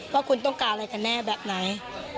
ว่าคุณต้องการอะไรกันแน่แบบไหน